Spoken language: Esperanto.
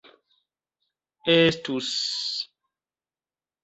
estus